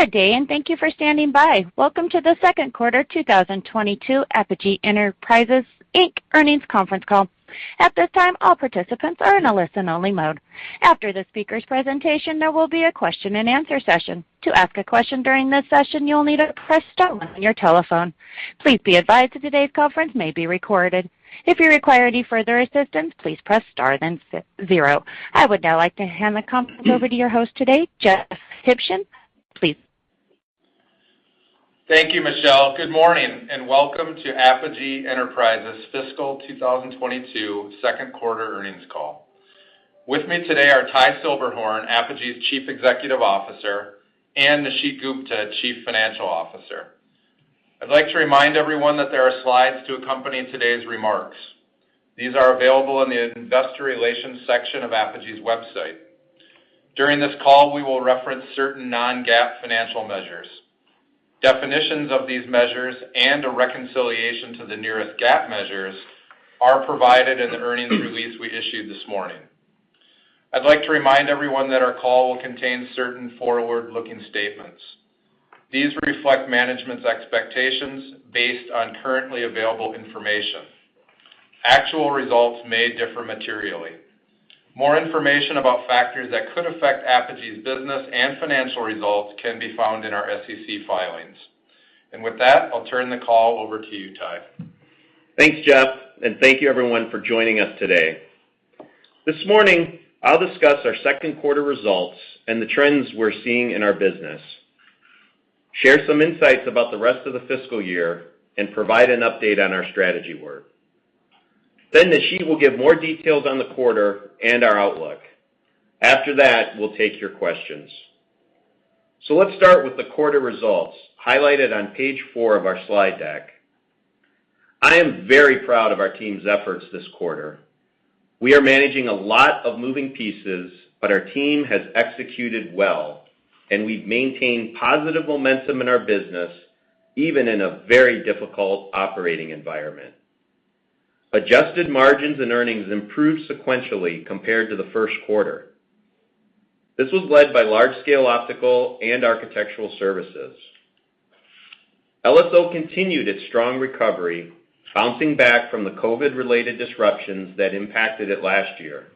Good day, and thank you for standing by. Welcome to the second quarter 2022 Apogee Enterprises, Inc. earnings conference call. At this time, all participants are in a listen-only mode. After the speaker's presentation, there will be a question-and-answer session. To ask a question during ths session you will need to press star one on your telephone. Please be advised that today's conference may be recorded. I would now like to hand the conference over to your host today, Jeff Huebschen. Please. Thank you, Michelle. Good morning, welcome to Apogee Enterprises fiscal 2022 second quarter earnings call. With me today are Ty Silberhorn, Apogee's Chief Executive Officer, and Nisheet Gupta, Chief Financial Officer. I'd like to remind everyone that there are slides to accompany today's remarks. These are available in the investor relations section of Apogee's website. During this call, we will reference certain non-GAAP financial measures. Definitions of these measures and a reconciliation to the nearest GAAP measures are provided in the earnings release we issued this morning. I'd like to remind everyone that our call will contain certain forward-looking statements. These reflect management's expectations based on currently available information. Actual results may differ materially. More information about factors that could affect Apogee's business and financial results can be found in our SEC filings. With that, I'll turn the call over to you, Ty. Thanks, Jeff, and thank you, everyone, for joining us today. This morning, I'll discuss our second quarter results and the trends we're seeing in our business, share some insights about the rest of the fiscal year, and provide an update on our strategy work. Nisheet will give more details on the quarter and our outlook. After that, we'll take your questions. Let's start with the quarter results highlighted on page four of our slide deck. I am very proud of our team's efforts this quarter. We are managing a lot of moving pieces, but our team has executed well, and we've maintained positive momentum in our business, even in a very difficult operating environment. Adjusted margins and earnings improved sequentially compared to the first quarter. This was led by Large-Scale Optical and Architectural Services. LSO continued its strong recovery, bouncing back from the COVID-related disruptions that impacted it last year.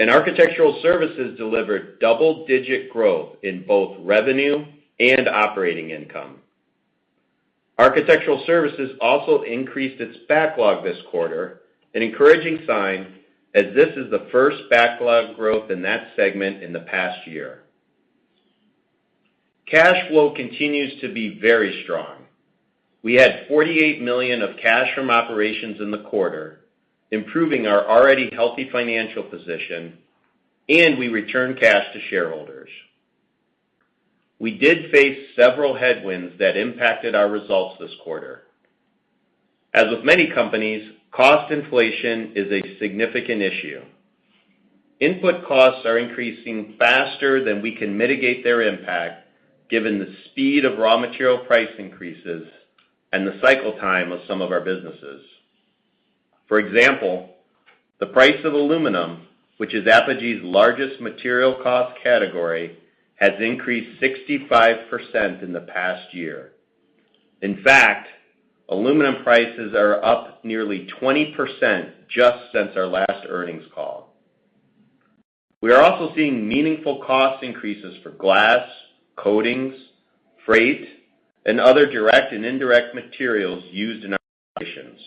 Architectural Services delivered double-digit growth in both revenue and operating income. Architectural Services also increased its backlog this quarter, an encouraging sign as this is the first backlog growth in that segment in the past year. Cash flow continues to be very strong. We had $48 million of cash from operations in the quarter, improving our already healthy financial position, and we returned cash to shareholders. We did face several headwinds that impacted our results this quarter. As with many companies, cost inflation is a significant issue. Input costs are increasing faster than we can mitigate their impact, given the speed of raw material price increases and the cycle time of some of our businesses. For example, the price of aluminum, which is Apogee's largest material cost category, has increased 65% in the past year. In fact, aluminum prices are up nearly 20% just since our last earnings call. We are also seeing meaningful cost increases for glass, coatings, freight, and other direct and indirect materials used in our operations.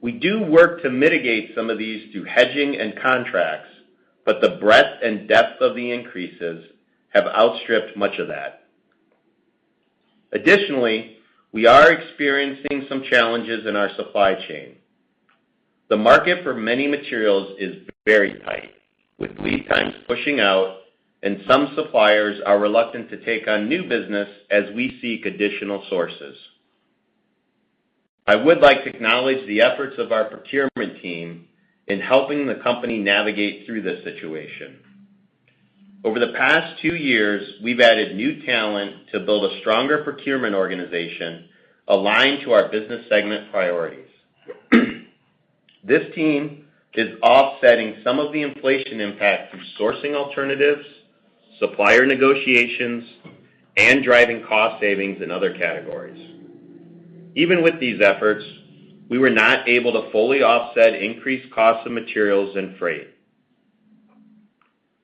We do work to mitigate some of these through hedging and contracts, but the breadth and depth of the increases have outstripped much of that. Additionally, we are experiencing some challenges in our supply chain. The market for many materials is very tight, with lead times pushing out, and some suppliers are reluctant to take on new business as we seek additional sources. I would like to acknowledge the efforts of our procurement team in helping the company navigate through this situation. Over the past two years, we've added new talent to build a stronger procurement organization aligned to our business segment priorities. This team is offsetting some of the inflation impact through sourcing alternatives, supplier negotiations, and driving cost savings in other categories. Even with these efforts, we were not able to fully offset increased costs of materials and freight.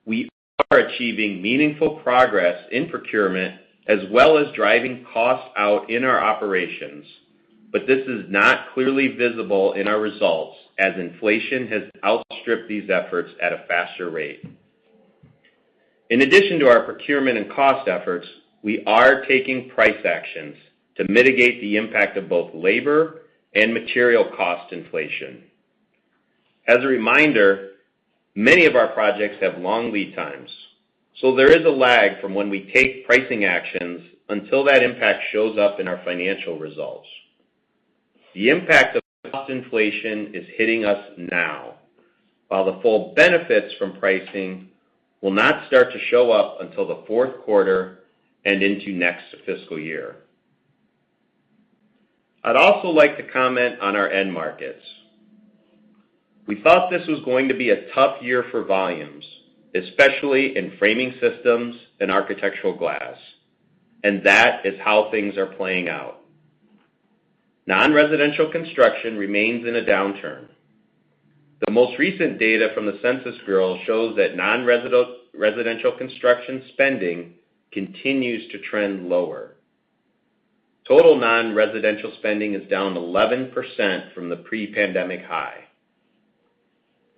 We are achieving meaningful progress in procurement, as well as driving costs out in our operations, but this is not clearly visible in our results as inflation has outstripped these efforts at a faster rate. In addition to our procurement and cost efforts, we are taking price actions to mitigate the impact of both labor and material cost inflation. As a reminder, many of our projects have long lead times. There is a lag from when we take pricing actions until that impact shows up in our financial results. The impact of cost inflation is hitting us now. While the full benefits from pricing will not start to show up until the fourth quarter and into next fiscal year. I'd also like to comment on our end markets. We thought this was going to be a tough year for volumes, especially in Architectural Framing Systems and Architectural Glass. That is how things are playing out. Non-residential construction remains in a downturn. The most recent data from the U.S. Census Bureau shows that non-residential construction spending continues to trend lower. Total non-residential spending is down 11% from the pre-pandemic high.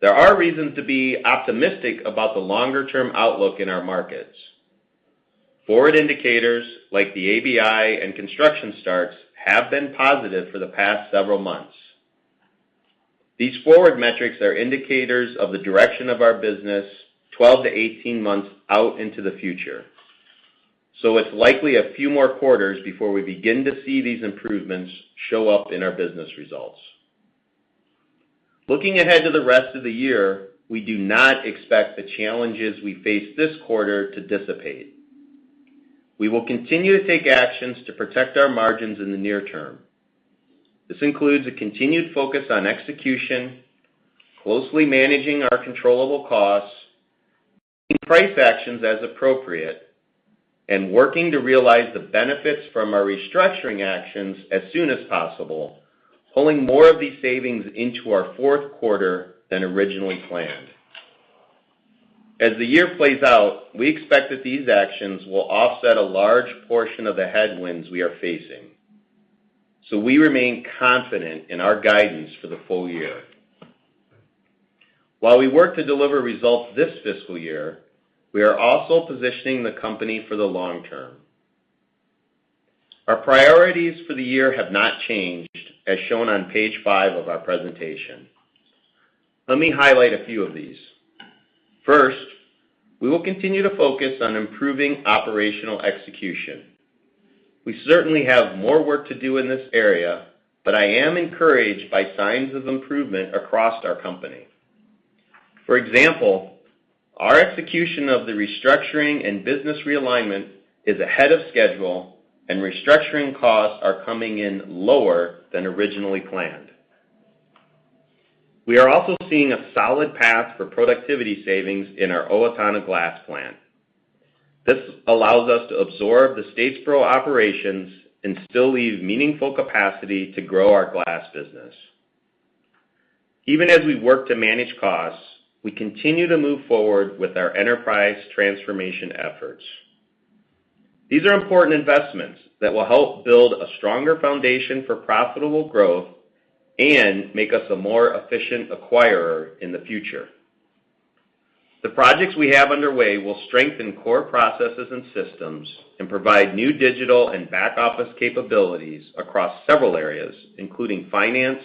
There are reasons to be optimistic about the longer-term outlook in our markets. Forward indicators, like the ABI and construction starts, have been positive for the past several months. These forward metrics are indicators of the direction of our business 12 to 18 months out into the future. It's likely a few more quarters before we begin to see these improvements show up in our business results. Looking ahead to the rest of the year, we do not expect the challenges we face this quarter to dissipate. We will continue to take actions to protect our margins in the near term. This includes a continued focus on execution, closely managing our controllable costs, taking price actions as appropriate, and working to realize the benefits from our restructuring actions as soon as possible, pulling more of these savings into our fourth quarter than originally planned. As the year plays out, we expect that these actions will offset a large portion of the headwinds we are facing. We remain confident in our guidance for the full year. While we work to deliver results this fiscal year, we are also positioning the company for the long term. Our priorities for the year have not changed, as shown on page five of our presentation. Let me highlight a few of these. First, we will continue to focus on improving operational execution. We certainly have more work to do in this area, but I am encouraged by signs of improvement across our company. For example, our execution of the restructuring and business realignment is ahead of schedule, and restructuring costs are coming in lower than originally planned. We are also seeing a solid path for productivity savings in our Owatonna glass plant. This allows us to absorb the Statesboro operations and still leave meaningful capacity to grow our glass business. Even as we work to manage costs, we continue to move forward with our enterprise transformation efforts. These are important investments that will help build a stronger foundation for profitable growth and make us a more efficient acquirer in the future. The projects we have underway will strengthen core processes and systems and provide new digital and back-office capabilities across several areas, including finance,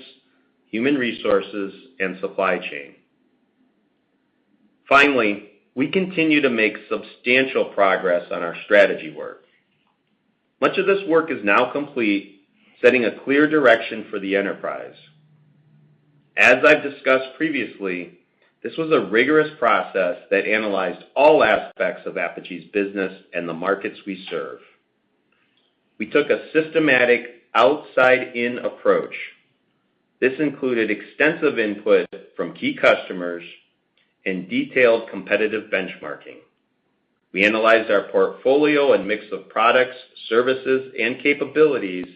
human resources, and supply chain. Finally, we continue to make substantial progress on our strategy work. Much of this work is now complete, setting a clear direction for the enterprise. As I've discussed previously, this was a rigorous process that analyzed all aspects of Apogee's business and the markets we serve. We took a systematic outside-in approach. This included extensive input from key customers and detailed competitive benchmarking. We analyzed our portfolio and mix of products, services, and capabilities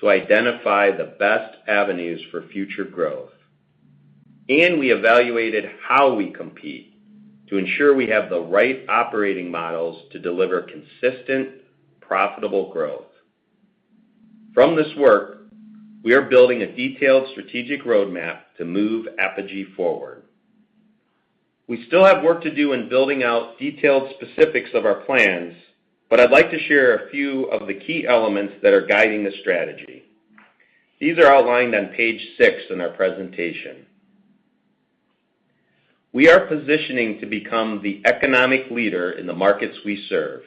to identify the best avenues for future growth. We evaluated how we compete to ensure we have the right operating models to deliver consistent, profitable growth. From this work, we are building a detailed strategic roadmap to move Apogee forward. We still have work to do in building out detailed specifics of our plans, but I'd like to share a few of the key elements that are guiding the strategy. These are outlined on page six in our presentation. We are positioning to become the economic leader in the markets we serve.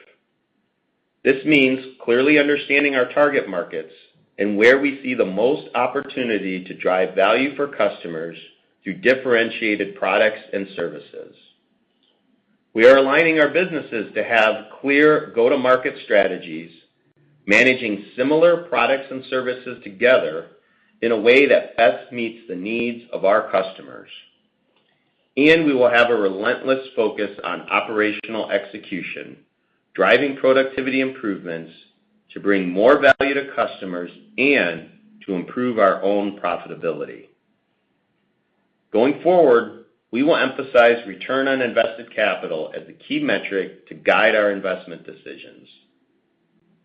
This means clearly understanding our target markets and where we see the most opportunity to drive value for customers through differentiated products and services. We are aligning our businesses to have clear go-to-market strategies, managing similar products and services together in a way that best meets the needs of our customers. We will have a relentless focus on operational execution, driving productivity improvements to bring more value to customers and to improve our own profitability. Going forward, we will emphasize return on invested capital as the key metric to guide our investment decisions.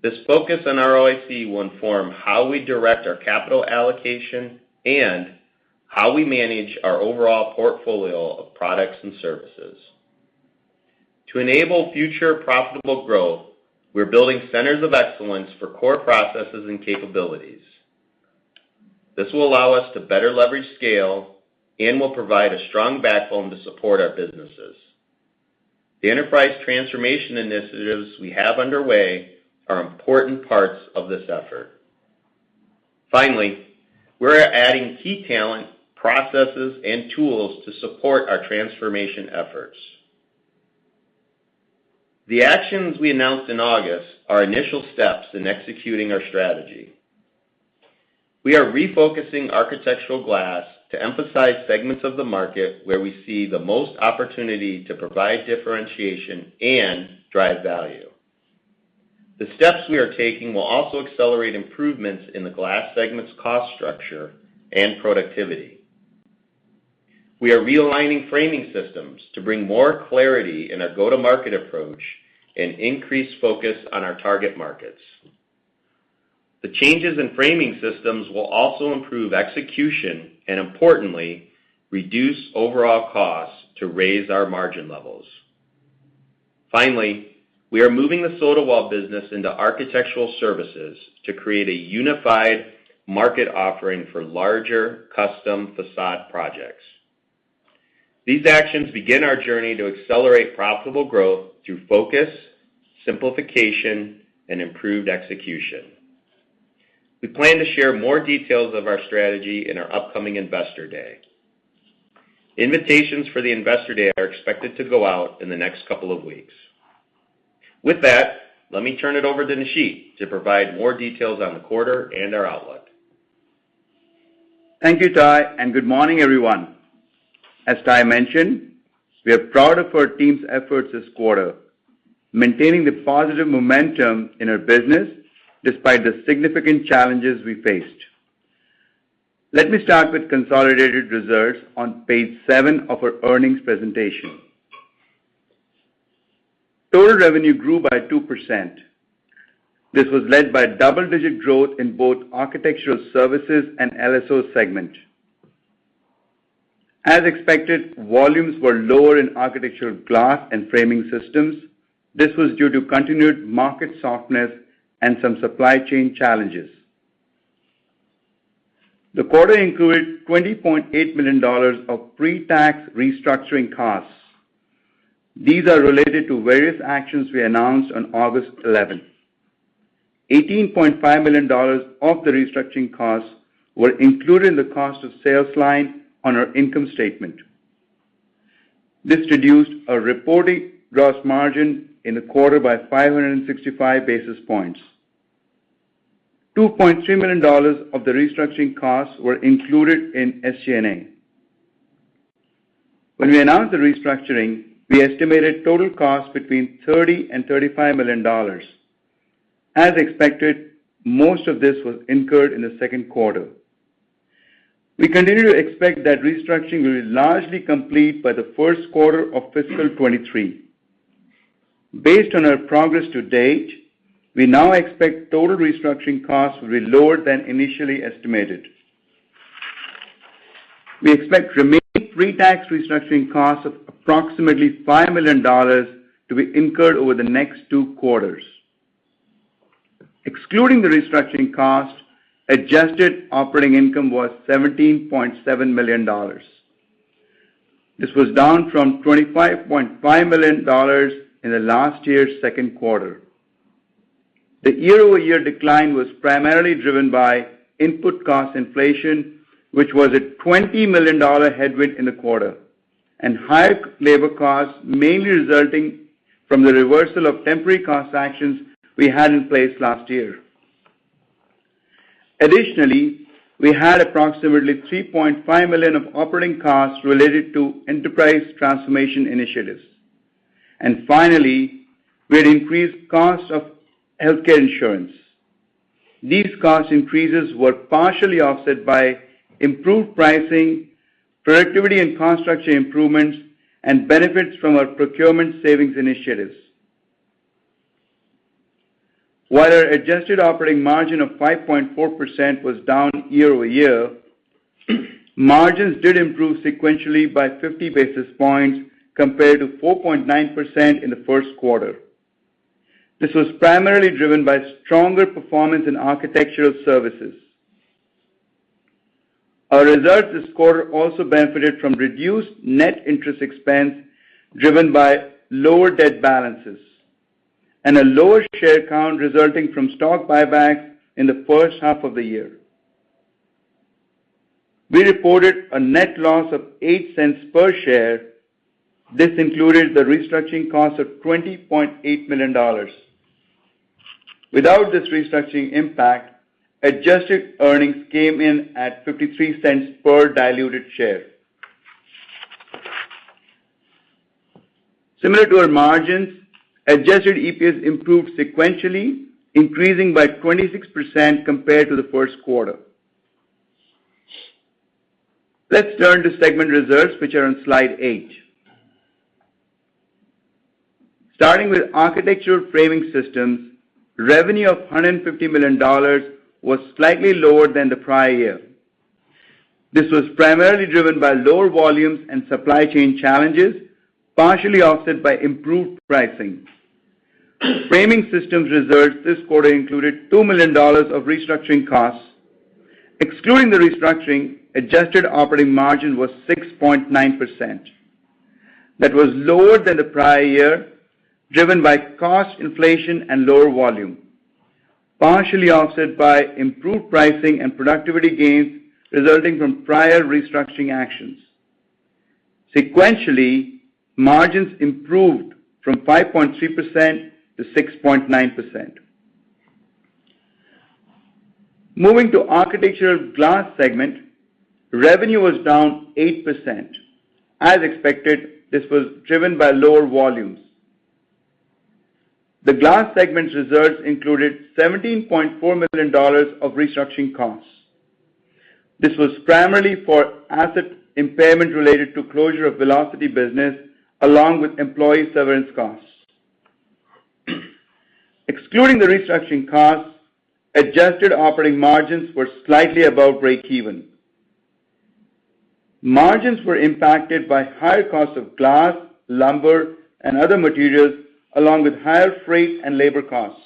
This focus on ROIC will inform how we direct our capital allocation and how we manage our overall portfolio of products and services. To enable future profitable growth, we're building centers of excellence for core processes and capabilities. This will allow us to better leverage scale and will provide a strong backbone to support our businesses. The enterprise transformation initiatives we have underway are important parts of this effort. Finally, we're adding key talent, processes, and tools to support our transformation efforts. The actions we announced in August are initial steps in executing our strategy. We are refocusing Architectural Glass to emphasize segments of the market where we see the most opportunity to provide differentiation and drive value. The steps we are taking will also accelerate improvements in the glass segment's cost structure and productivity. We are realigning Framing Systems to bring more clarity in our go-to-market approach and increase focus on our target markets. The changes in Framing Systems will also improve execution and, importantly, reduce overall costs to raise our margin levels. Finally, we are moving the Sotawall business into Architectural Services to create a unified market offering for larger, custom façade projects. These actions begin our journey to accelerate profitable growth through focus, simplification, and improved execution. We plan to share more details of our strategy in our upcoming Investor Day. Invitations for the Investor Day are expected to go out in the next couple of weeks. With that, let me turn it over to Nisheet to provide more details on the quarter and our outlook. Thank you, Ty, and good morning, everyone. As Ty mentioned, we are proud of our team's efforts this quarter, maintaining the positive momentum in our business despite the significant challenges we faced. Let me start with consolidated results on page seven of our earnings presentation. Total revenue grew by 2%. This was led by double-digit growth in both Architectural Services and LSO segment. As expected, volumes were lower in Architectural Glass and Architectural Framing Systems. This was due to continued market softness and some supply chain challenges. The quarter included $20.8 million of pre-tax restructuring costs. These are related to various actions we announced on August 11th. $18.5 million of the restructuring costs were included in the cost of sales line on our income statement. This reduced our reported gross margin in the quarter by 565 basis points. $2.3 million of the restructuring costs were included in SG&A. When we announced the restructuring, we estimated total costs between $30 million and $35 million. As expected, most of this was incurred in the second quarter. We continue to expect that restructuring will be largely complete by the first quarter of fiscal 2023. Based on our progress to date, we now expect total restructuring costs will be lower than initially estimated. We expect remaining pre-tax restructuring costs of approximately $5 million to be incurred over the next two quarters. Excluding the restructuring costs, adjusted operating income was $17.7 million. This was down from $25.5 million in the last year's second quarter. The year-over-year decline was primarily driven by input cost inflation, which was a $20 million headwind in the quarter, and higher labor costs, mainly resulting from the reversal of temporary cost actions we had in place last year. We had approximately $3.5 million of operating costs related to enterprise transformation initiatives. Finally, we had increased costs of healthcare insurance. These cost increases were partially offset by improved pricing, productivity, and cost structure improvements, and benefits from our procurement savings initiatives. While our adjusted operating margin of 5.4% was down year-over-year, margins did improve sequentially by 50 basis points compared to 4.9% in the first quarter. This was primarily driven by stronger performance in Architectural Services. Our results this quarter also benefited from reduced net interest expense driven by lower debt balances and a lower share count resulting from stock buybacks in the first half of the year. We reported a net loss of $0.08 per share. This included the restructuring cost of $20.8 million. Without this restructuring impact, adjusted earnings came in at $0.53 per diluted share. Similar to our margins, adjusted EPS improved sequentially, increasing by 26% compared to the first quarter. Let's turn to segment results, which are on slide eight. Starting with Architectural Framing Systems, revenue of $150 million was slightly lower than the prior year. This was primarily driven by lower volumes and supply chain challenges, partially offset by improved pricing. Framing Systems results this quarter included $2 million of restructuring costs. Excluding the restructuring, adjusted operating margin was 6.9%. That was lower than the prior year, driven by cost inflation and lower volume. Partially offset by improved pricing and productivity gains resulting from prior restructuring actions. Sequentially, margins improved from 5.3% to 6.9%. Moving to Architectural Glass segment, revenue was down 8%. As expected, this was driven by lower volumes. The Glass segment's results included $17.4 million of restructuring costs. This was primarily for asset impairment related to closure of Velocity business, along with employee severance costs. Excluding the restructuring costs, adjusted operating margins were slightly above breakeven. Margins were impacted by higher costs of glass, lumber, and other materials, along with higher freight and labor costs.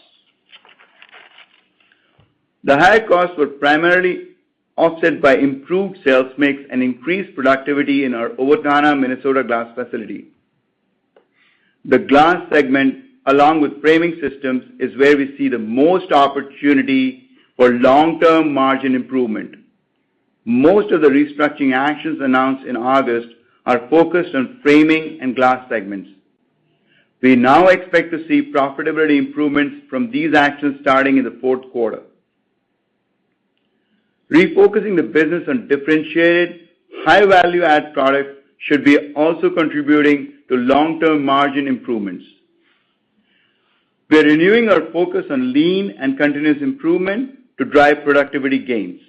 The higher costs were primarily offset by improved sales mix and increased productivity in our Owatonna, Minnesota glass facility. The Glass Segment, along with Framing Systems, is where we see the most opportunity for long-term margin improvement. Most of the restructuring actions announced in August are focused on Framing and Glass Segments. We now expect to see profitability improvements from these actions starting in the fourth quarter. Refocusing the business on differentiated, high value-add products should be also contributing to long-term margin improvements. We are renewing our focus on lean and continuous improvement to drive productivity gains.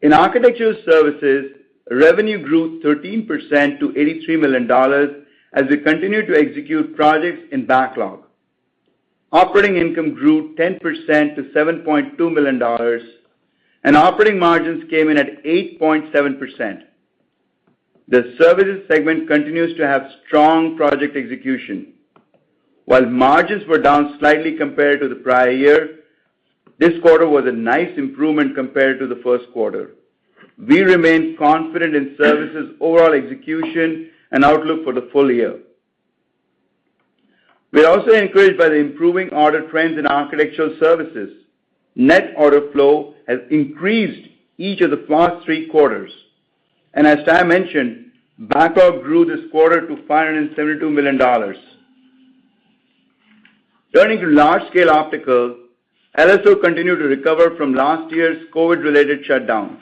In Architectural Services, revenue grew 13% to $83 million, as we continue to execute projects in backlog. Operating income grew 10% to $7.2 million, and operating margins came in at 8.7%. The Services segment continues to have strong project execution. While margins were down slightly compared to the prior year, this quarter was a nice improvement compared to the first quarter. We remain confident in Services' overall execution and outlook for the full year. We are also encouraged by the improving order trends in Architectural Services. Net order flow has increased each of the past three quarters, and as Ty mentioned, backlog grew this quarter to $572 million. Turning to Large-Scale Optical, LSO continued to recover from last year's COVID-related shutdowns.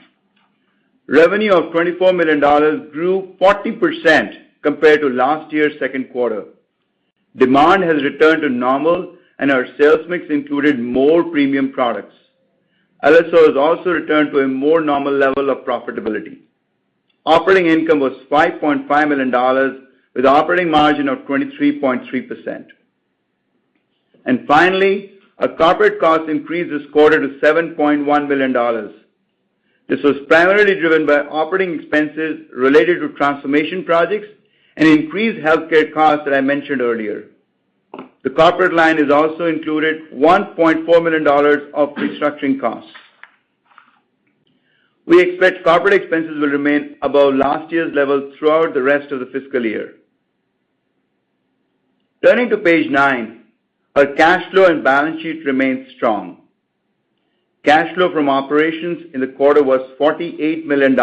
Revenue of $24 million grew 40% compared to last year's second quarter. Demand has returned to normal, and our sales mix included more premium products. LSO has also returned to a more normal level of profitability. Operating income was $5.5 million, with operating margin of 23.3%. Finally, our corporate cost increased this quarter to $7.1 billion. This was primarily driven by operating expenses related to transformation projects and increased healthcare costs that I mentioned earlier. The corporate line has also included $1.4 million of restructuring costs. We expect corporate expenses will remain above last year's level throughout the rest of the fiscal year. Turning to page nine, our cash flow and balance sheet remains strong. Cash flow from operations in the quarter was $48 million.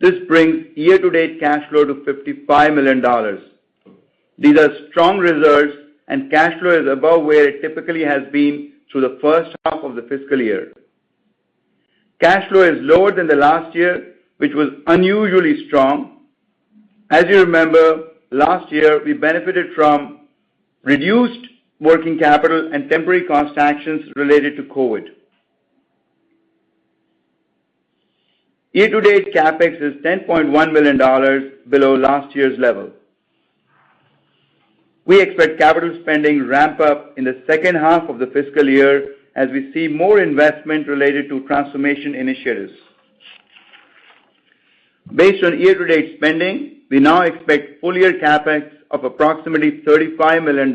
This brings year-to-date cash flow to $55 million. These are strong results, and cash flow is above where it typically has been through the first half of the fiscal year. Cash flow is lower than the last year, which was unusually strong. As you remember, last year, we benefited from reduced working capital and temporary cost actions related to COVID. Year-to-date, CapEx is $10.1 million below last year's level. We expect capital spending ramp up in the second half of the fiscal year as we see more investment related to transformation initiatives. Based on year-to-date spending, we now expect full-year CapEx of approximately $35 million,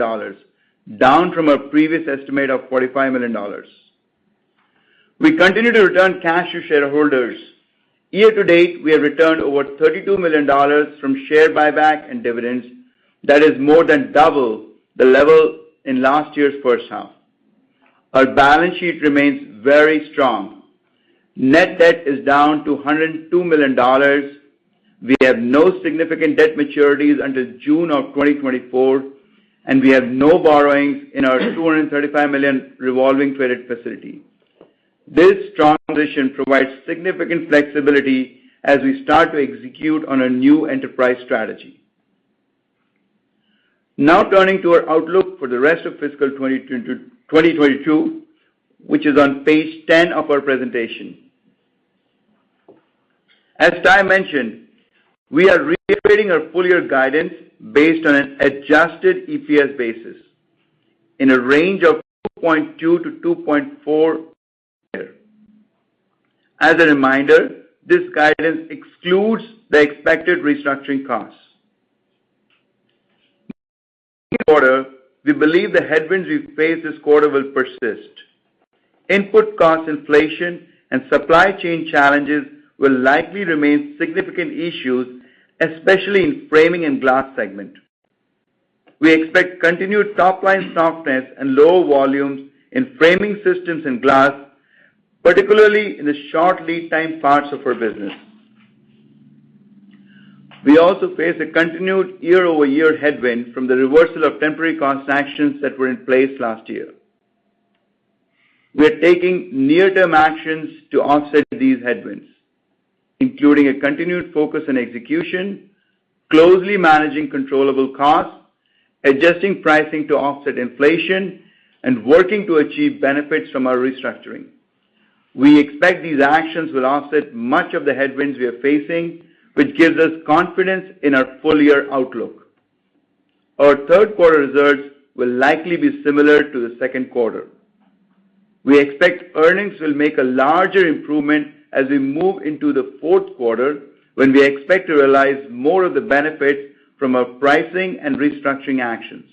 down from our previous estimate of $45 million. We continue to return cash to shareholders. Year-to-date, we have returned over $32 million from share buyback and dividends. That is more than double the level in last year's first half. Our balance sheet remains very strong. Net debt is down to $102 million. We have no significant debt maturities until June of 2024, and we have no borrowings in our $235 million revolving credit facility. This strong position provides significant flexibility as we start to execute on our new enterprise strategy. Turning to our outlook for the rest of fiscal 2022, which is on page 10 of our presentation. As Ty mentioned, we are reiterating our full year guidance based on an adjusted EPS basis in a range of $2.2-$2.4. As a reminder, this guidance excludes the expected restructuring costs. We believe the headwinds we face this quarter will persist. Input cost inflation and supply chain challenges will likely remain significant issues, especially in Framing and Glass segment. We expect continued top-line softness and low volumes in Framing Systems and Glass, particularly in the short lead time parts of our business. We also face a continued year-over-year headwind from the reversal of temporary cost actions that were in place last year. We are taking near-term actions to offset these headwinds, including a continued focus on execution, closely managing controllable costs, adjusting pricing to offset inflation, and working to achieve benefits from our restructuring. We expect these actions will offset much of the headwinds we are facing, which gives us confidence in our full-year outlook. Our third quarter results will likely be similar to the second quarter. We expect earnings will make a larger improvement as we move into the fourth quarter when we expect to realize more of the benefits from our pricing and restructuring actions.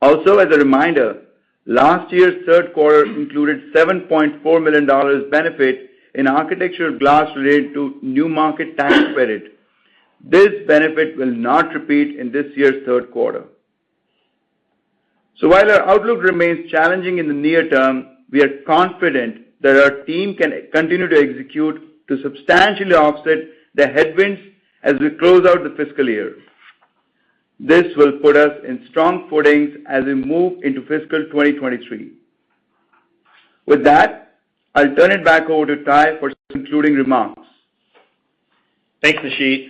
Also, as a reminder, last year's third quarter included $7.4 million benefit in Architectural Glass related to New Markets Tax Credit. This benefit will not repeat in this year's third quarter. While our outlook remains challenging in the near term, we are confident that our team can continue to execute to substantially offset the headwinds as we close out the fiscal year. This will put us in strong footings as we move into fiscal 2023. With that, I'll turn it back over to Ty for some concluding remarks. Thanks, Nisheet.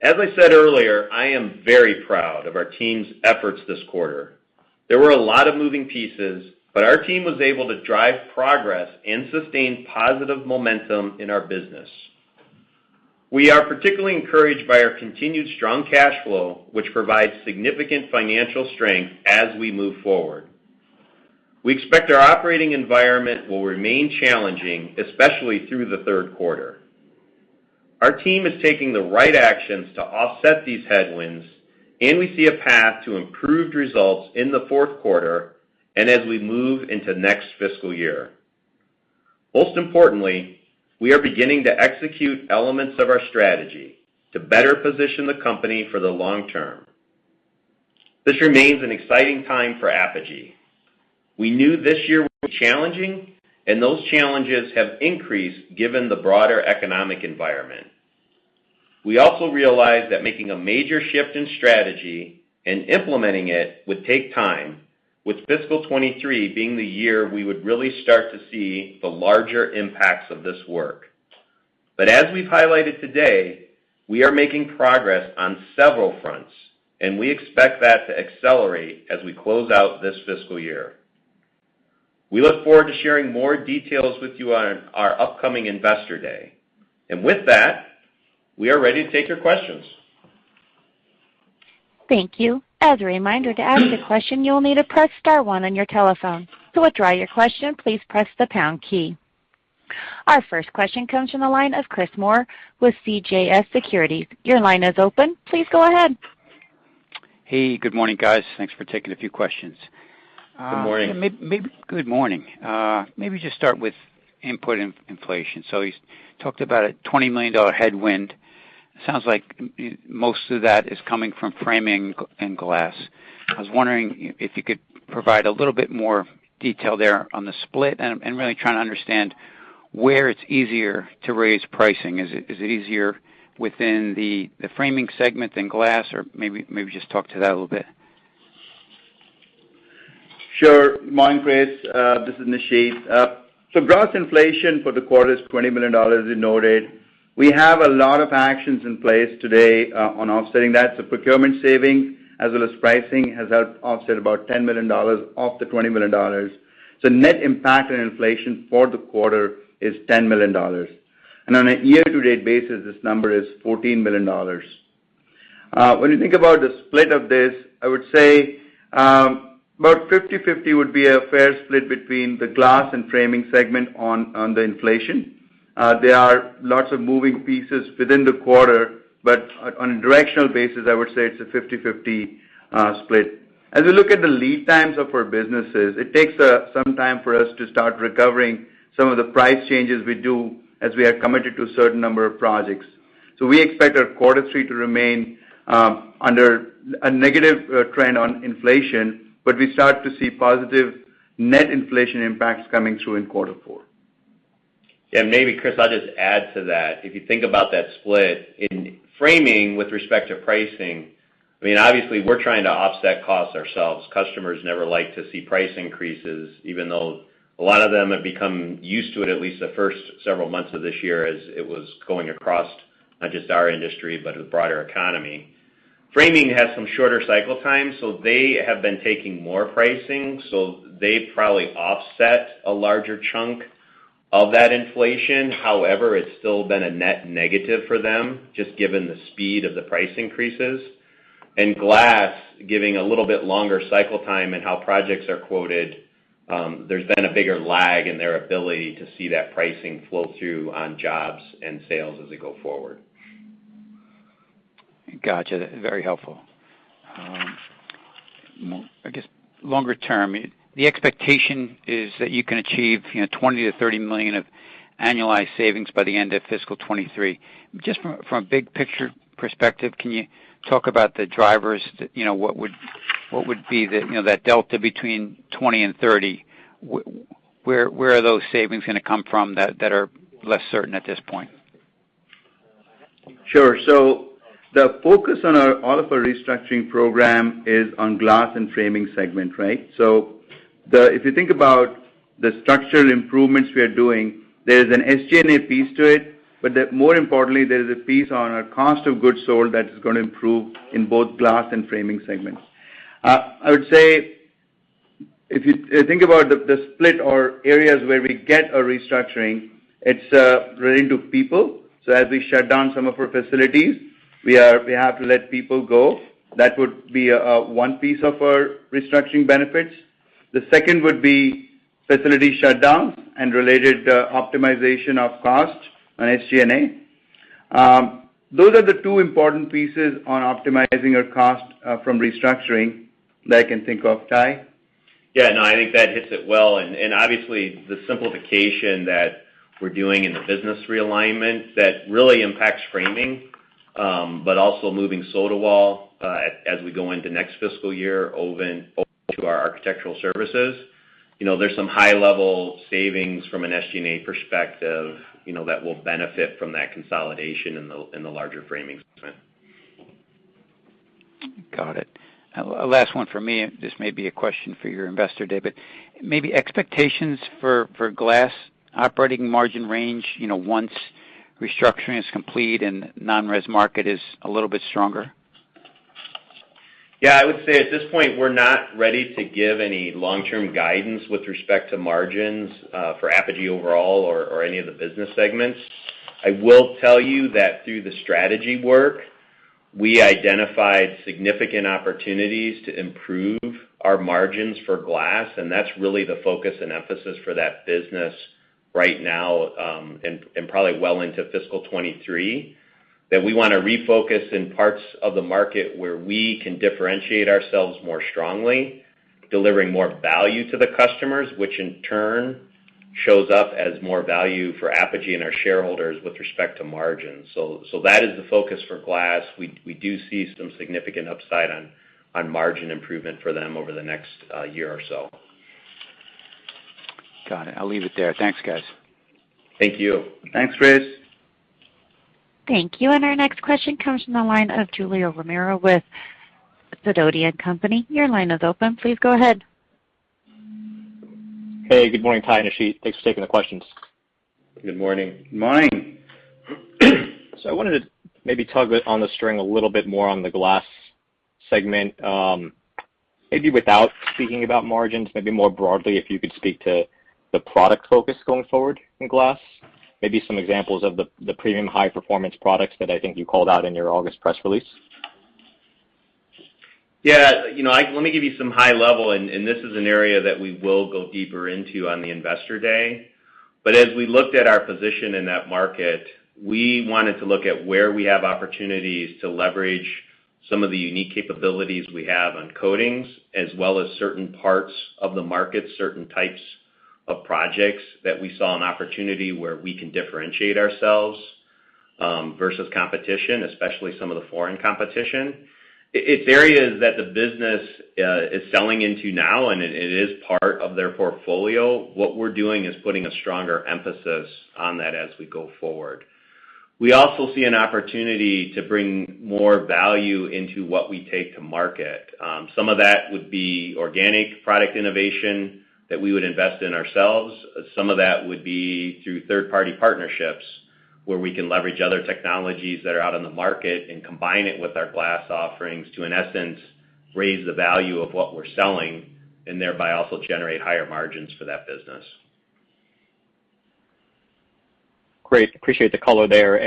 As I said earlier, I am very proud of our team's efforts this quarter. There were a lot of moving pieces, our team was able to drive progress and sustain positive momentum in our business. We are particularly encouraged by our continued strong cash flow, which provides significant financial strength as we move forward. We expect our operating environment will remain challenging, especially through the third quarter. Our team is taking the right actions to offset these headwinds, we see a path to improved results in the fourth quarter and as we move into next fiscal year. Most importantly, we are beginning to execute elements of our strategy to better position the company for the long term. This remains an exciting time for Apogee. We knew this year would be challenging, those challenges have increased given the broader economic environment. We also realize that making a major shift in strategy and implementing it would take time, with fiscal 2023 being the year we would really start to see the larger impacts of this work. As we've highlighted today, we are making progress on several fronts, and we expect that to accelerate as we close out this fiscal year. We look forward to sharing more details with you on our upcoming Investor Day. With that, we are ready to take your questions. Thank you. As a reminder, to ask a question, you'll need to press star one on your telephone. To withdraw your question, please press the pound key. Our first question comes from the line of Chris Moore with CJS Securities. Your line is open. Please go ahead. Hey, good morning, guys. Thanks for taking a few questions. Good morning. Good morning. Maybe just start with input inflation. You talked about a $20 million headwind. It sounds like most of that is coming from Framing and Glass. I was wondering if you could provide a little bit more detail there on the split, and I'm really trying to understand where it's easier to raise pricing. Is it easier within the Framing segment than Glass? Or maybe just talk to that a little bit. Sure. Good morning, Chris. This is Nisheet. Gross inflation for the quarter is $20 million as we noted. We have a lot of actions in place today on offsetting that. Procurement saving as well as pricing has helped offset about $10 million off the $20 million. Net impact on inflation for the quarter is $10 million. On a year-to-date basis, this number is $14 million. When you think about the split of this, I would say about 50/50 would be a fair split between the glass and framing segment on the inflation. There are lots of moving pieces within the quarter, on a directional basis, I would say it's a 50/50 split. As we look at the lead times of our businesses, it takes some time for us to start recovering some of the price changes we do as we are committed to a certain number of projects. We expect our quarter three to remain under a negative trend on inflation, but we start to see positive net inflation impacts coming through in quarter four. Yeah. Maybe, Chris, I'll just add to that. If you think about that split in framing with respect to pricing, obviously, we're trying to offset costs ourselves. Customers never like to see price increases, even though a lot of them have become used to it, at least the first several months of this year as it was going across not just our industry, but the broader economy. Framing has some shorter cycle times. They have been taking more pricing. They probably offset a larger chunk of that inflation. However, it's still been a net negative for them, just given the speed of the price increases. Glass, giving a little bit longer cycle time and how projects are quoted, there's been a bigger lag in their ability to see that pricing flow through on jobs and sales as we go forward. Got you. Very helpful. Longer term, the expectation is that you can achieve $20 million-$30 million of annualized savings by the end of fiscal 2023. Just from a big picture perspective, can you talk about the drivers? What would be that delta between $20 million and $30 million? Where are those savings going to come from that are less certain at this point? Sure. The focus on all of our restructuring program is on glass and framing segment, right? If you think about the structural improvements we are doing, there's an SG&A piece to it, but more importantly, there's a piece on our cost of goods sold that is going to improve in both glass and framing segments. I would say, if you think about the split or areas where we get a restructuring, it's related to people. As we shut down some of our facilities, we have to let people go. That would be one piece of our restructuring benefits. The second would be facility shutdown and related optimization of cost on SG&A. Those are the two important pieces on optimizing our cost from restructuring that I can think of. Ty? Yeah, no, I think that hits it well. Obviously, the simplification that we're doing in the business realignment, that really impacts Framing, but also moving Sotawall, as we go into next fiscal year over to our Architectural Services. There's some high-level savings from an SG&A perspective that will benefit from that consolidation in the larger Framing segment. Got it. A last one from me, this may be a question for your investor day, but maybe expectations for glass operating margin range, once restructuring is complete and non-res market is a little bit stronger. Yeah, I would say at this point, we're not ready to give any long-term guidance with respect to margins for Apogee overall or any of the business segments. I will tell you that through the strategy work, we identified significant opportunities to improve our margins for Glass, and that's really the focus and emphasis for that business right now, and probably well into FY 2023. We want to refocus in parts of the market where we can differentiate ourselves more strongly, delivering more value to the customers, which in turn shows up as more value for Apogee and our shareholders with respect to margins. That is the focus for Glass. We do see some significant upside on margin improvement for them over the next year or so. Got it. I'll leave it there. Thanks, guys. Thank you. Thanks, Chris. Thank you. Our next question comes from the line of Julio Romero with Sidoti & Company. Your line is open. Please go ahead. Hey, good morning, Ty and Nisheet. Thanks for taking the questions. Good morning. Morning. I wanted to maybe tug on the string a little bit more on the glass segment. Maybe without speaking about margins, maybe more broadly, if you could speak to the product focus going forward in glass. Maybe some examples of the premium high-performance products that I think you called out in your August press release. Yeah. Let me give you some high level. This is an area that we will go deeper into on the investor day. As we looked at our position in that market, we wanted to look at where we have opportunities to leverage some of the unique capabilities we have on coatings, as well as certain parts of the market, certain types of projects that we saw an opportunity where we can differentiate ourselves versus competition, especially some of the foreign competition. It's areas that the business is selling into now, and it is part of their portfolio. What we're doing is putting a stronger emphasis on that as we go forward. We also see an opportunity to bring more value into what we take to market. Some of that would be organic product innovation that we would invest in ourselves. Some of that would be through third-party partnerships where we can leverage other technologies that are out on the market and combine it with our glass offerings to, in essence, raise the value of what we're selling, and thereby also generate higher margins for that business. Great. Appreciate the color there.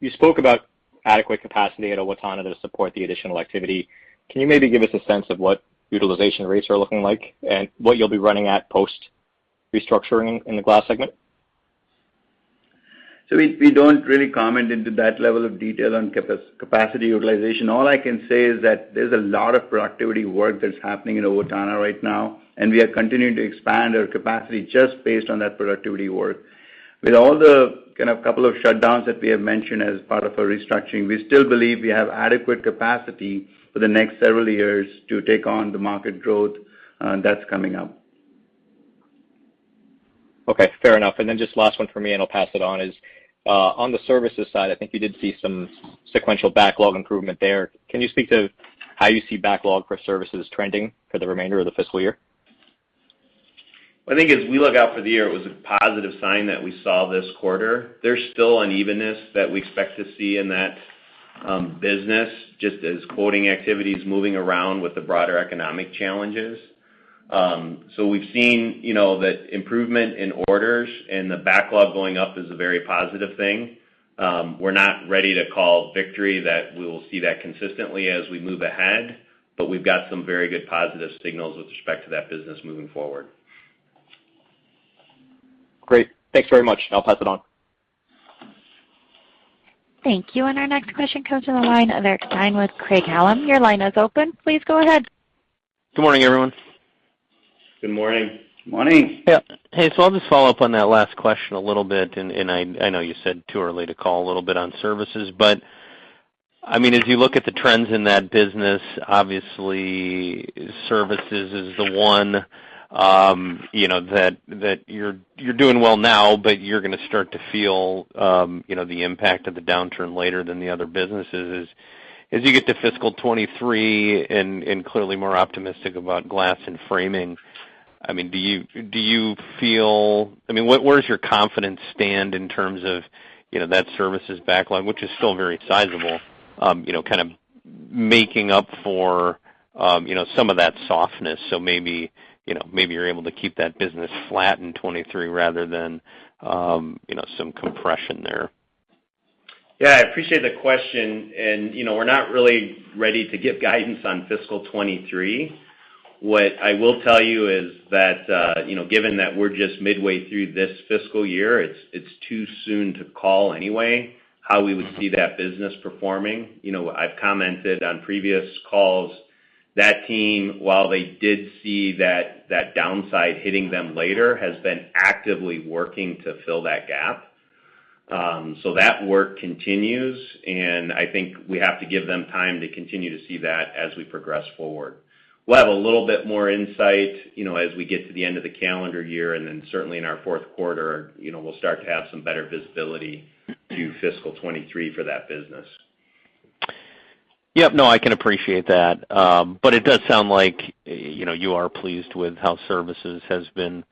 You spoke about adequate capacity at Owatonna to support the additional activity. Can you maybe give us a sense of what utilization rates are looking like and what you'll be running at post-restructuring in the glass segment? We don't really comment into that level of detail on capacity utilization. All I can say is that there's a lot of productivity work that's happening in Owatonna right now, and we are continuing to expand our capacity just based on that productivity work. With all the kind of couple of shutdowns that we have mentioned as part of our restructuring, we still believe we have adequate capacity for the next several years to take on the market growth that's coming up. Okay, fair enough. Then just last one from me, and I'll pass it on, is on the services side, I think you did see some sequential backlog improvement there. Can you speak to how you see backlog for services trending for the remainder of the fiscal year? As we look out for the year, it was a positive sign that we saw this quarter. There's still unevenness that we expect to see in that business, just as quoting activities moving around with the broader economic challenges. We've seen that improvement in orders and the backlog going up is a very positive thing. We're not ready to call victory that we will see that consistently as we move ahead. We've got some very good positive signals with respect to that business moving forward. Great. Thanks very much. I'll pass it on. Thank you. Our next question comes from the line of Eric Stine with Craig-Hallum. Your line is open. Please go ahead. Good morning, everyone. Good morning. Good morning. Yeah. Hey, I'll just follow up on that last question a little bit, and I know you said too early to call a little bit on services, as you look at the trends in that business, obviously services is the one that you're doing well now, but you're going to start to feel the impact of the downturn later than the other businesses. As you get to FY 2023 and clearly more optimistic about glass and framing, where does your confidence stand in terms of that services backlog, which is still very sizable, kind of making up for some of that softness? Maybe you're able to keep that business flat in 2023 rather than some compression there. Yeah, I appreciate the question. We're not really ready to give guidance on fiscal 2023. What I will tell you is that, given that we're just midway through this fiscal year, it's too soon to call anyway how we would see that business performing. I've commented on previous calls. That team, while they did see that downside hitting them later, has been actively working to fill that gap. That work continues, and I think we have to give them time to continue to see that as we progress forward. We'll have a little bit more insight as we get to the end of the calendar year, and then certainly in our fourth quarter, we'll start to have some better visibility to fiscal 2023 for that business. Yep. No, I can appreciate that. It does sound like you are pleased with how Services has been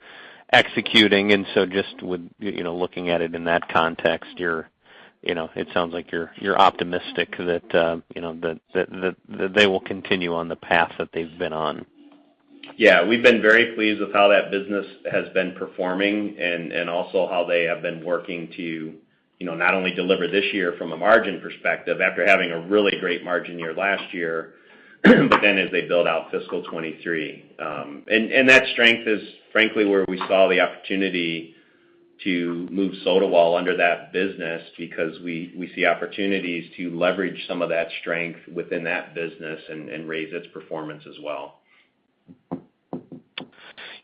executing, just with looking at it in that context, it sounds like you're optimistic that they will continue on the path that they've been on. Yeah, we've been very pleased with how that business has been performing and also how they have been working to not only deliver this year from a margin perspective after having a really great margin year last year, but then as they build out fiscal 2023. That strength is frankly where we saw the opportunity to move Sotawall under that business because we see opportunities to leverage some of that strength within that business and raise its performance as well.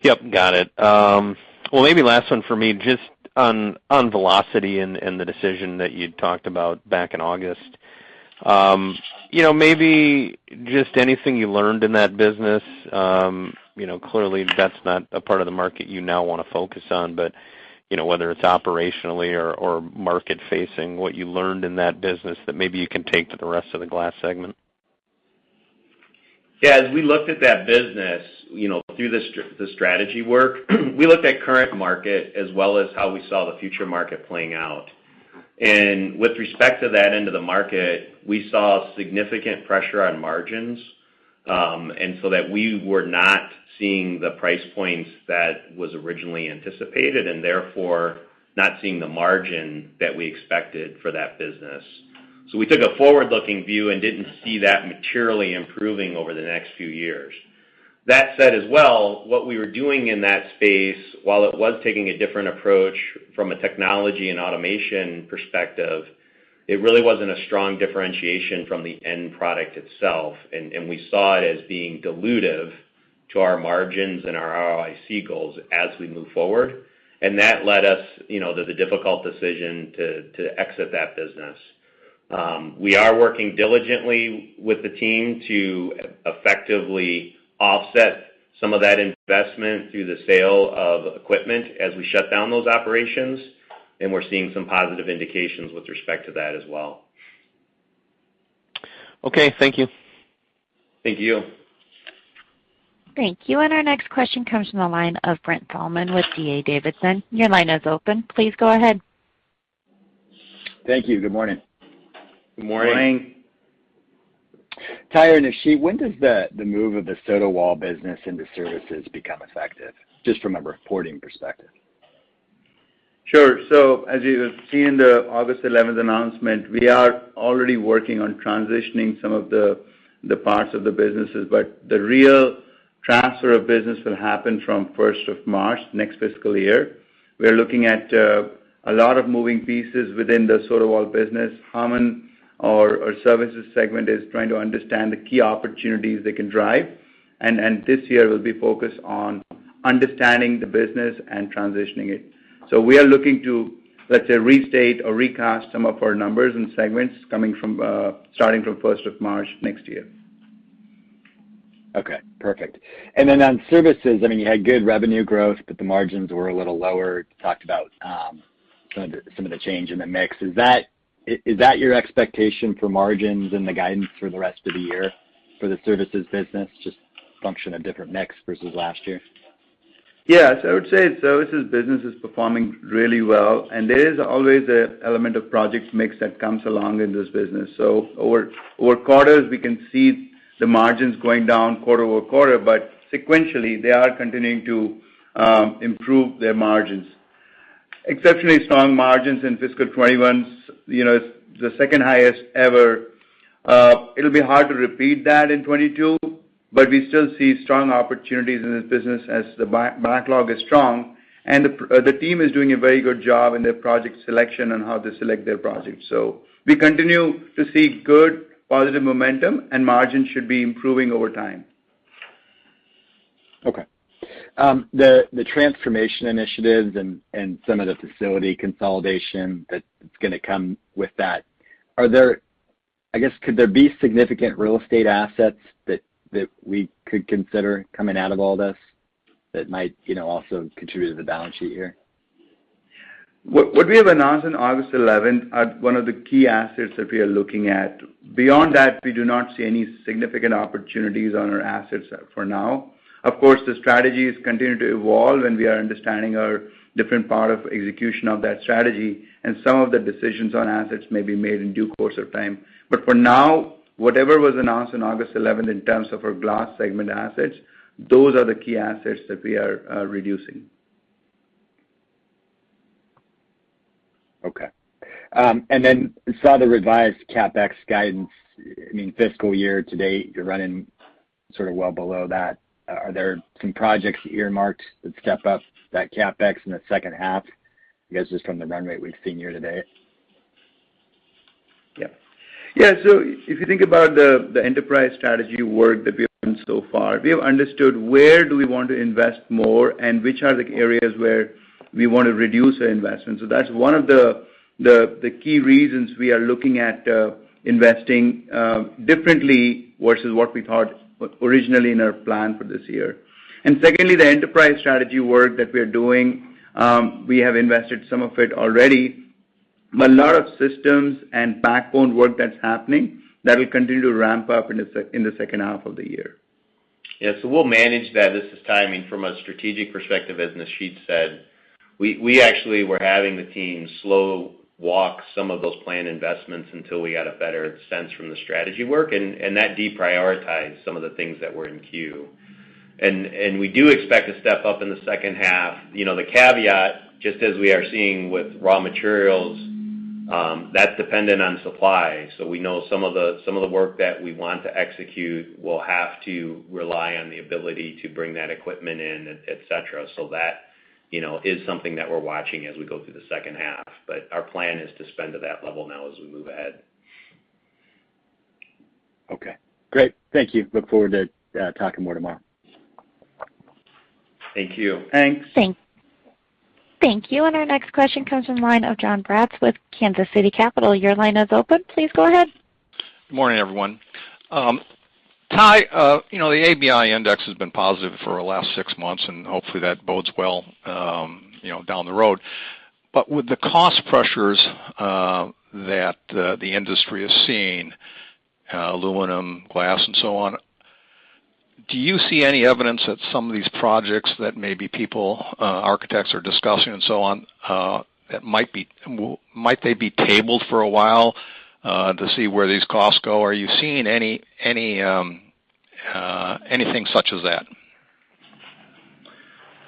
Yep, got it. Well, maybe last one for me, just on Velocity and the decision that you'd talked about back in August. Maybe just anything you learned in that business. Clearly, that's not a part of the market you now want to focus on, but whether it's operationally or market-facing, what you learned in that business that maybe you can take to the rest of the glass segment. Yeah. As we looked at that business through the strategy work, we looked at current market as well as how we saw the future market playing out. With respect to that end of the market, we saw significant pressure on margins, so that we were not seeing the price points that was originally anticipated, and therefore not seeing the margin that we expected for that business. We took a forward-looking view and didn't see that materially improving over the next few years. That said as well, what we were doing in that space, while it was taking a different approach from a technology and automation perspective, it really wasn't a strong differentiation from the end product itself, and we saw it as being dilutive to our margins and our ROIC goals as we move forward. That led us to the difficult decision to exit that business. We are working diligently with the team to effectively offset some of that investment through the sale of equipment as we shut down those operations. We're seeing some positive indications with respect to that as well. Okay, thank you. Thank you. Thank you. Our next question comes from the line of Brent Thielman with D.A. Davidson. Your line is open. Please go ahead. Thank you. Good morning. Good morning. Morning. Ty and Nisheet, when does the move of the Sotawall business into Services become effective, just from a reporting perspective? Sure. As you have seen the August 11th announcement, we are already working on transitioning some of the parts of the businesses, but the real transfer of business will happen from 1st of March next fiscal year. We are looking at a lot of moving pieces within the Sotawall business. Harmon, our services segment, is trying to understand the key opportunities they can drive, and this year will be focused on understanding the business and transitioning it. We are looking to, let's say, restate or recast some of our numbers and segments starting from 1st of March next year. Okay, perfect. On Architectural Services, you had good revenue growth, but the margins were a little lower. You talked about some of the change in the mix. Is that your expectation for margins and the guidance for the rest of the year for the Architectural Services business, just function of different mix versus last year? Yes, I would say services business is performing really well, and there is always an element of project mix that comes along in this business. Over quarters, we can see the margins going down quarter-over-quarter, but sequentially, they are continuing to improve their margins. Exceptionally strong margins in fiscal 2021. It's the second highest ever. It'll be hard to repeat that in 2022, but we still see strong opportunities in this business as the backlog is strong, and the team is doing a very good job in their project selection and how they select their projects. We continue to see good positive momentum, and margins should be improving over time. Okay. The transformation initiatives and some of the facility consolidation that's going to come with that, could there be significant real estate assets that we could consider coming out of all this that might also contribute to the balance sheet here? What we have announced on August 11th are one of the key assets that we are looking at. Beyond that, we do not see any significant opportunities on our assets for now. Of course, the strategies continue to evolve, and we are understanding our different part of execution of that strategy, and some of the decisions on assets may be made in due course of time. For now, whatever was announced on August 11th in terms of our glass segment assets, those are the key assets that we are reducing. Okay. Saw the revised CapEx guidance. Fiscal year-to-date, you're running sort of well below that. Are there some projects earmarked that step up that CapEx in the second half? I guess just from the run rate we've seen year-to-date. Yep.If you think about the enterprise strategy work that we've done so far, we have understood where do we want to invest more and which are the areas where we want to reduce our investments. That's one of the key reasons we are looking at investing differently versus what we thought originally in our plan for this year. Secondly, the enterprise strategy work that we are doing, we have invested some of it already. A lot of systems and backbone work that's happening, that will continue to ramp up in the second half of the year. Yeah. We'll manage that. This is timing from a strategic perspective, as Nisheet said. We actually were having the team slow walk some of those planned investments until we got a better sense from the strategy work, and that deprioritized some of the things that were in queue. We do expect to step up in the second half. The caveat, just as we are seeing with raw materials, that's dependent on supply. We know some of the work that we want to execute will have to rely on the ability to bring that equipment in, et cetera. That is something that we're watching as we go through the second half. Our plan is to spend to that level now as we move ahead. Okay, great. Thank you. Look forward to talking more tomorrow. Thank you. Thanks. Thank you. Our next question comes from the line of Jon Braatz with Kansas City Capital. Your line is open. Please go ahead. Good morning, everyone. Ty, the ABI index has been positive for the last six months. Hopefully that bodes well down the road. With the cost pressures that the industry is seeing, aluminum, glass, and so on, do you see any evidence that some of these projects that maybe people, architects are discussing and so on, might they be tabled for a while to see where these costs go? Are you seeing anything such as that?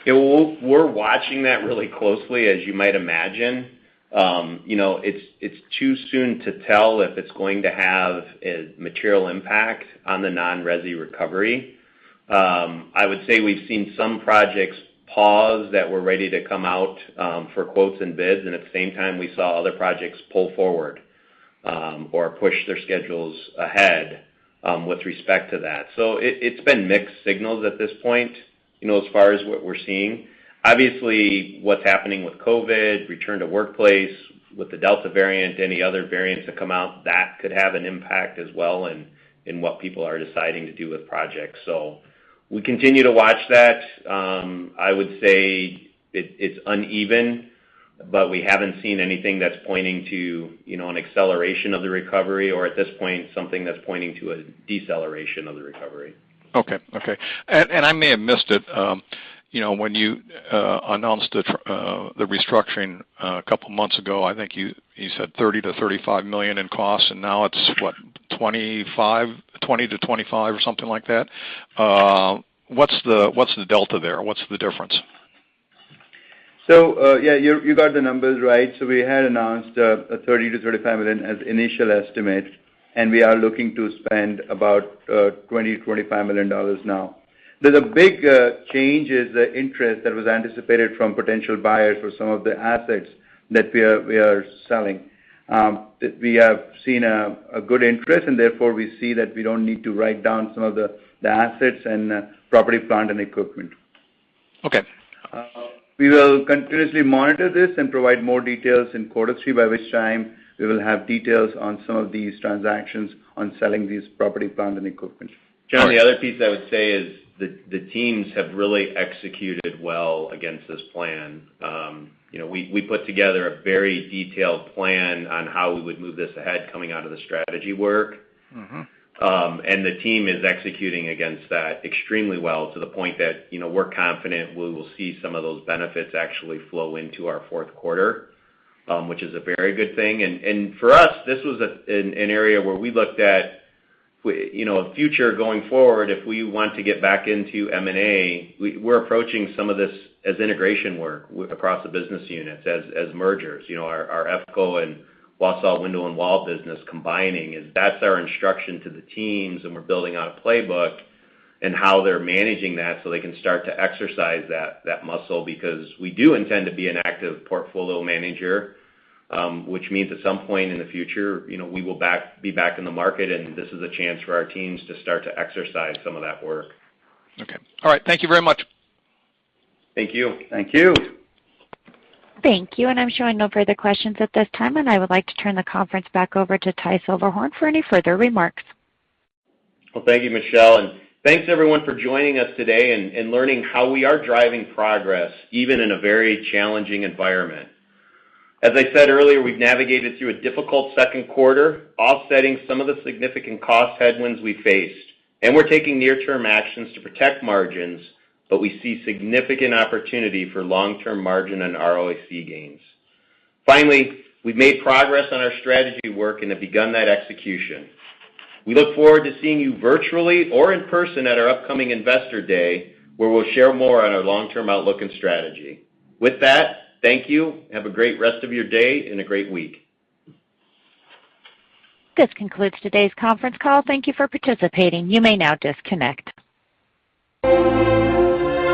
We're watching that really closely, as you might imagine. It's too soon to tell if it's going to have a material impact on the non-resi recovery. I would say we've seen some projects pause that were ready to come out for quotes and bids, at the same time, we saw other projects pull forward or push their schedules ahead with respect to that. It's been mixed signals at this point as far as what we're seeing. Obviously, what's happening with COVID, return to workplace, with the Delta variant, any other variants that come out, that could have an impact as well in what people are deciding to do with projects. We continue to watch that. I would say it's uneven, but we haven't seen anything that's pointing to an acceleration of the recovery or at this point, something that's pointing to a deceleration of the recovery. Okay. I may have missed it. When you announced the restructuring a couple of months ago, I think you said $30 million-$35 million in costs, and now it's what, $20 million-$25 million or something like that? What's the delta there? What's the difference? Yeah, you got the numbers right. We had announced a $30 million-$35 million as initial estimate, and we are looking to spend about $20 million-$25 million now. There's a big change in the interest that was anticipated from potential buyers for some of the assets that we are selling. We have seen a good interest, and therefore we see that we don't need to write down some of the assets and property, plant, and equipment. Okay. We will continuously monitor this and provide more details in quarter three, by which time we will have details on some of these transactions on selling these property, plant, and equipment. Jon, the other piece I would say is the teams have really executed well against this plan. We put together a very detailed plan on how we would move this ahead coming out of the strategy work. The team is executing against that extremely well to the point that we're confident we will see some of those benefits actually flow into our fourth quarter, which is a very good thing. For us, this was an area where we looked at a future going forward, if we want to get back into M&A, we're approaching some of this as integration work across the business units as mergers. Our EFCO and Wausau Window and Wall business combining, that's our instruction to the teams, and we're building out a playbook in how they're managing that so they can start to exercise that muscle because we do intend to be an active portfolio manager, which means at some point in the future, we will be back in the market, and this is a chance for our teams to start to exercise some of that work. Okay. All right. Thank you very much. Thank you. Thank you. Thank you. I'm showing no further questions at this time, I would like to turn the conference back over to Ty Silberhorn for any further remarks. Well, thank you, Michelle. Thanks everyone for joining us today and learning how we are driving progress even in a very challenging environment. As I said earlier, we've navigated through a difficult second quarter, offsetting some of the significant cost headwinds we faced. We're taking near-term actions to protect margins, but we see significant opportunity for long-term margin and ROIC gains. Finally, we've made progress on our strategy work and have begun that execution. We look forward to seeing you virtually or in person at our upcoming Investor Day, where we'll share more on our long-term outlook and strategy. With that, thank you. Have a great rest of your day and a great week. This concludes today's conference call. Thank you for participating. You may now disconnect.